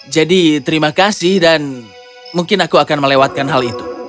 jadi terima kasih dan mungkin aku akan melewatkan hal itu